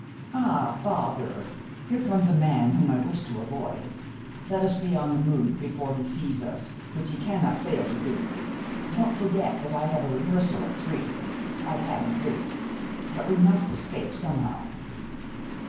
Ah, bother! Here comes a man whom I wish to avoid. Let us be on the move before he sees us, which he cannot fail to do. Don't forget that I have a rehearsal at three. I haven't, really; but we must escape somehow."